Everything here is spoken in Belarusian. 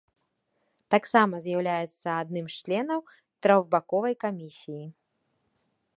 Таксама з'яўляецца адным з членам трохбаковай камісіі.